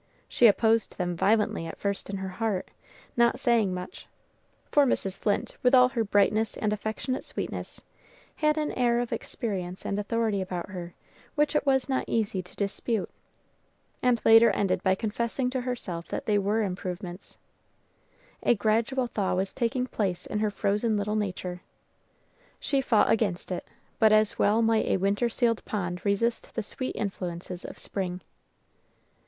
She opposed them violently at first in her heart, not saying much, for Mrs. Flint, with all her brightness and affectionate sweetness, had an air of experience and authority about her which it was not easy to dispute, and later ended by confessing to herself that they were improvements. A gradual thaw was taking place in her frozen little nature. She fought against it; but as well might a winter sealed pond resist the sweet influences of spring.